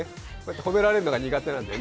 褒められるのが苦手なんだよね。